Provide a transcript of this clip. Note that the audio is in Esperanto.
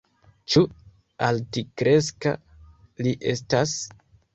Ĉu altkreska li estas?